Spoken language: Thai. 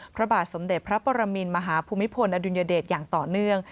พระบาทสมเด็จพระปรมินมหาภูมิพลอดุลยเดชอย่างต่อเนื่อง